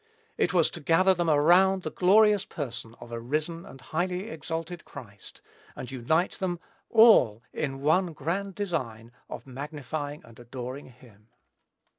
It was to gather them around the glorious person of a risen and highly exalted Christ, and unite them all in one grand design of magnifying and adoring him.